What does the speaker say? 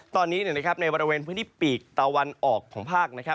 ตอนนี้นะครับในบริเวณพื้นที่ปีกตะวันออกของภาคนะครับ